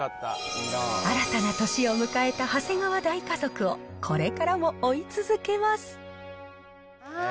新たな年を迎えた長谷川大家族を、これからも追い続けます。